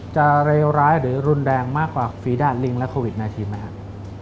จะเรียวร้ายหรือรุนแดงมากกว่าฟีดาลิงและโควิดในทีมั้ยครับ